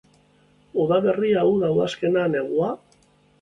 Udaberria, uda, udazkena, negua?